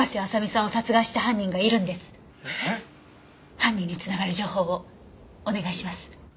犯人に繋がる情報をお願いします。